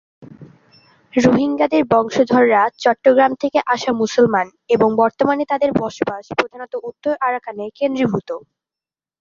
রোহিঙ্গ্যাদের বংশধররা চট্টগ্রাম থেকে আসা মুসলমান এবং বর্তমানে তাদের বসবাস প্রধানত উত্তর আরাকানে কেন্দ্রীভূত।